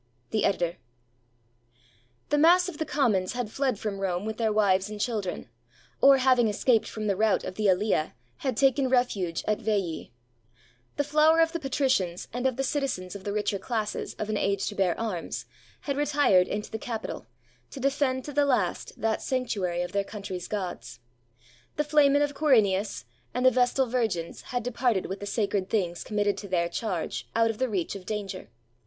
The Editor] The mass of the commons had fled from Rome with their wives and children, or having escaped from the route of the AHa had taken refuge at Veil. The flower of the patricians, and of the citizens of the richer classes of an age to bear arms, had retired into the capitol, to defend to the last that sanctuary of their country's gods. The flamen of Quirinus and the Vestal Virgins had departed with the sacred things committed to their charge out of the reach of danger.